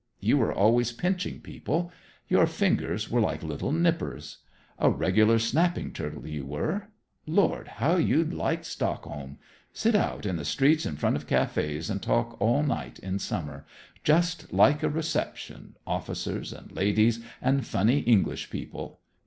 You were always pinching people; your fingers were like little nippers. A regular snapping turtle, you were. Lord, how you'd like Stockholm! Sit out in the streets in front of cafés and talk all night in summer. Just like a reception officers and ladies and funny English people.